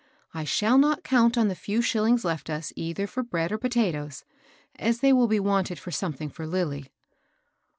I shall not count on the few shillings left us either for bread or potatoes, as th^ will be wanted for something for Lilly."